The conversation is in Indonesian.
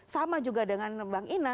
sama juga dengan bang ina